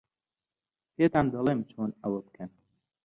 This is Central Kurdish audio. پێتان دەڵێم چۆن ئەوە بکەن.